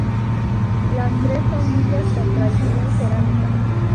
Las tres son villas con tradición cerámica.